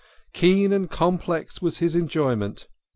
Keen and complex was his enjoyment.